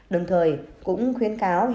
đồng thời cũng khuyến cáo